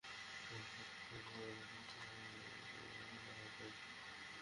আহতদের পরিবারের দাবি, তাস খেলার সময় দুর্বৃত্তদের বোমা হামলায় তাঁরা আহত হয়েছেন।